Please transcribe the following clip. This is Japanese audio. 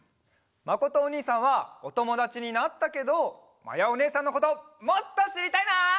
まことおにいさんはおともだちになったけどまやおねえさんのこともっとしりたいな！